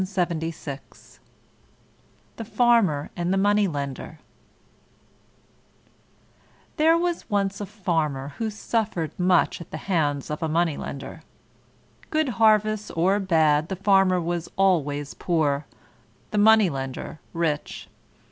THE FARMER AND THE MONEY LENDER There was once a Farmer who suffered much at the hands of a Money lender. Good harvests or bad the Farmer was always poor, the Money lender rich.